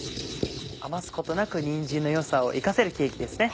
余すことなくにんじんの良さを生かせるケーキですね。